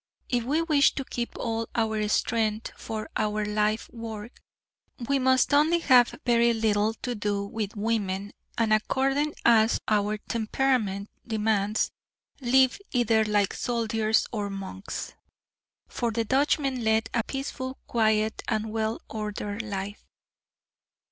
If we wish to keep all our strength for our life work, we must only have very little to do with women and according as our temperament demands, live either like soldiers or monks. For the Dutchmen led a peaceful, quiet and well ordered life.